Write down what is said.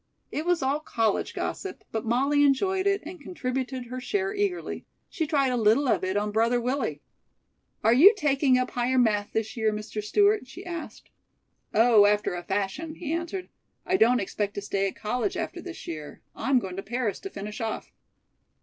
It was all college gossip, but Molly enjoyed it and contributed her share eagerly. She tried a little of it on Brother Willie. "Are you taking up Higher Math. this year, Mr. Stewart?" she asked. "Oh, after a fashion," he answered. "I don't expect to stay at college after this year. I'm going to Paris to finish off."